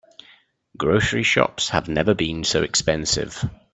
Grocery shops have never been so expensive.